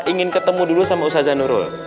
ingin ketemu dulu sama ustadz zanurul